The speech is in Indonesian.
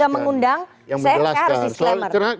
kita sudah mengundang saya harus diselamat